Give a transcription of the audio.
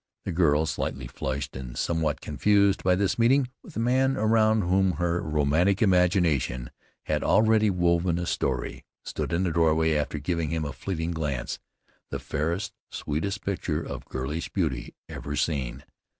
The girl, slightly flushed, and somewhat confused by this meeting with the man around whom her romantic imagination had already woven a story, stood in the doorway after giving him a fleeting glance, the fairest, sweetest picture of girlish beauty ever seen.